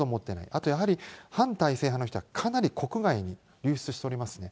あとやはり、反体制派の人はかなり国外に流出しておりますね。